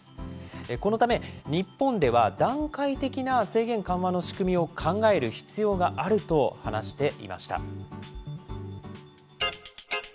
このため日本では段階的な制限緩和の仕組みを考える必要があると話していました。